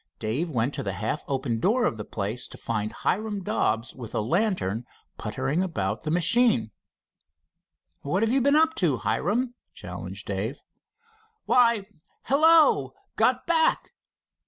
Dave went to the half open door of the place to find Hiram Dobbs with a lantern puttering about the machine. "What have you been up to, Hiram?" challenged Dave. "Why, hello! Got back?